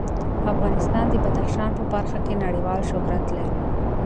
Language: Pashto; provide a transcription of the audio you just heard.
افغانستان د بدخشان په برخه کې نړیوال شهرت لري.